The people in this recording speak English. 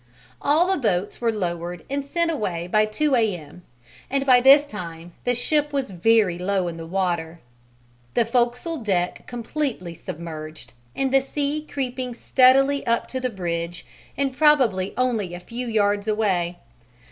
All the boats were lowered and sent away by about 2 A.M., and by this time the ship was very low in the water, the forecastle deck completely submerged, and the sea creeping steadily up to the bridge and probably only a few yards away.